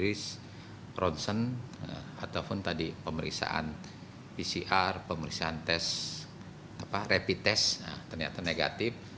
kris ronsen ataupun tadi pemeriksaan pcr pemeriksaan tes rapid test ternyata negatif